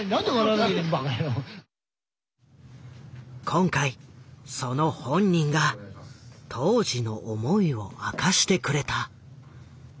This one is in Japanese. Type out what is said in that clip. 今回その本人が当時の思いを明かしてくれた。